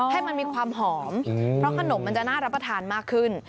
ให้มันมีความหอมเพราะขนมมันจะน่ารับประทานมากขึ้น